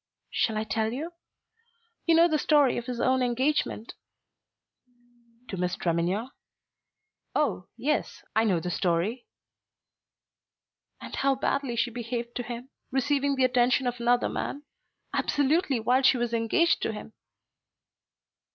"Shall I tell you? You know the story of his own engagement." "To Miss Tremenhere? Oh, yes, I know the story." "And how badly she behaved to him, receiving the attention of another man, absolutely while she was engaged to him."